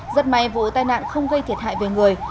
rất may vụ tai nạn không gây thiệt hại về người